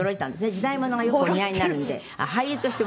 時代物がよくお似合いになるので。